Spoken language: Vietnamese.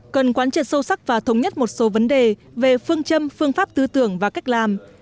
cần quán triệt sâu sắc và thống nhất một số vấn đề về phương châm phương pháp tư tưởng và cách làm